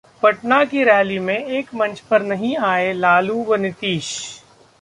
पटना की रैली में एक मंच पर नहीं आए लालू व नीतीश